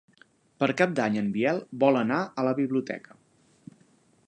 Per Cap d'Any en Biel vol anar a la biblioteca.